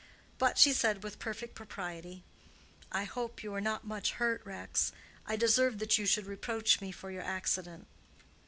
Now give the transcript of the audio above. But she said with perfect propriety, "I hope you are not much hurt, Rex; I deserve that you should reproach me for your accident."